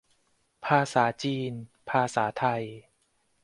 ภาษาจีน ภาษาไทย